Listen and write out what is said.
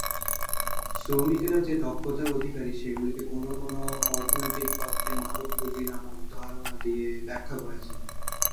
শ্রমিকেরা যে দক্ষতার অধিকারী, সেগুলিকে কোনও কোনও অর্থনৈতিক তত্ত্বে "মানব পুঁজি" নামক ধারণা দিয়ে ব্যাখ্যা করা হয়েছে।